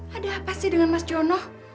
ada apa sih dengan mas jono